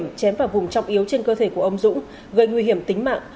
vũ dùng dao chém vào vùng trọng yếu trên cơ thể của ông dũng gây nguy hiểm tính mạng